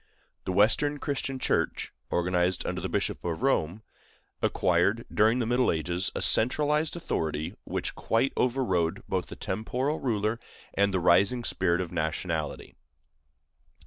The Western Christian Church, organized under the Bishop of Rome, acquired, during the middle ages, a centralized authority which quite overrode both the temporal ruler and the rising spirit of nationality.